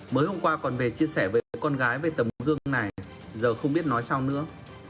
mới hôm qua còn về chia sẻ với con gái về tầm gương này giờ không biết nói sau nữa